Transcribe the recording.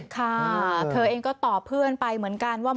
ค่ะเธอเองก็ตอบเพื่อนไปเหมือนกันว่า